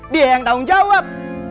dia yang tanggung jawab